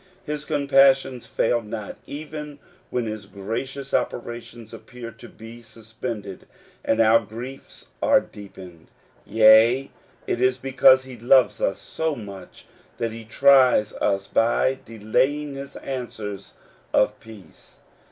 His compassions fail not even when his gracious operations appear to be suspended, and our griefs are deepened. Yea, it is because he loves us so much that he tries us by delaying his answers of peace.